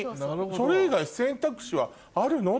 それ以外選択肢はあるの？